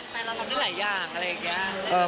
เราทำได้หลายอย่างอะไรอย่างนี้